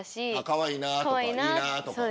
かわいいなとか、いいなとか。